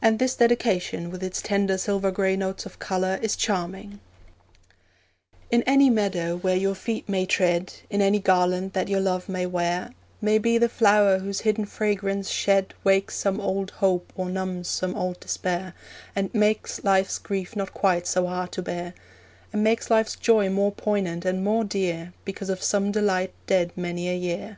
And this Dedication, with its tender silver grey notes of colour, is charming: In any meadow where your feet may tread, In any garland that your love may wear, May be the flower whose hidden fragrance shed Wakes some old hope or numbs some old despair, And makes life's grief not quite so hard to bear, And makes life's joy more poignant and more dear Because of some delight dead many a year.